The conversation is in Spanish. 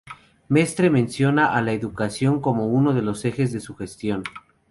Mestre menciona a la educación como uno de los ejes de su gestión.